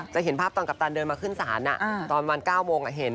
เห็นภาพตอนกัปตันเดินมาขึ้นศาลตอนวัน๙โมงเห็น